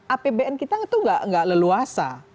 apbn kita itu nggak leluasa